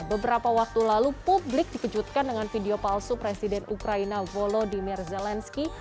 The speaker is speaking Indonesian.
beberapa waktu lalu publik dikejutkan dengan video palsu presiden ukraina volodymyr zelensky